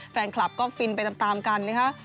แฟนคลับก็ฟินไปตามกันนะคะ